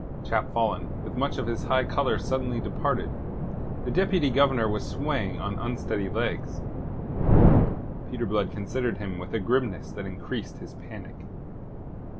Chap fallen, with much of his high colour suddenly departed, the Deputy Governor was swaying on unsteady legs. Peter Blood considered him with a grimness that increased his panic.